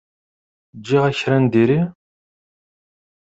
Giɣ-ak kra n diri?